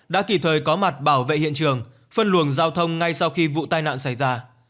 đã kịp thời có mặt bảo vệ hiện trường phân luồng giao thông ngay sau khi vụ tai nạn xảy ra